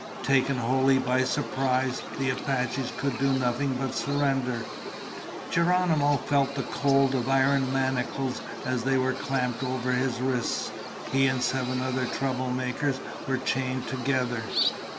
Taken wholly by surprise, the Apaches could do nothing but surrender. Geronimo felt the cold of iron manacles as they were clamped over his wrists. He and seven other troublemakers were chained together.